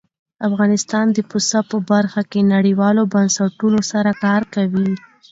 افغانستان د پسه په برخه کې نړیوالو بنسټونو سره کار کوي.